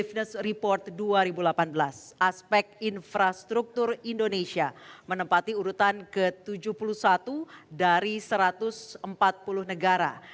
aveness report dua ribu delapan belas aspek infrastruktur indonesia menempati urutan ke tujuh puluh satu dari satu ratus empat puluh negara